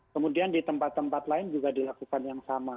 kemudian di tempat tempat lain juga dilakukan yang sama